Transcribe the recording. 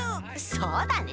そうだね。